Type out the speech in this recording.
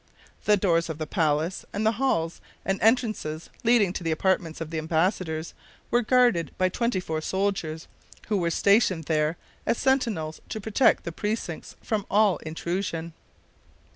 The doors of the palace and the halls and entrances leading to the apartments of the embassadors were guarded by twenty four soldiers, who were stationed there as sentinels to protect the precincts from all intrusion.